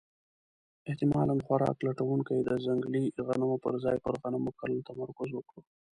احتمالاً خوراک لټونکو د ځنګلي غنمو پر ځای پر غنمو کرلو تمرکز وکړ.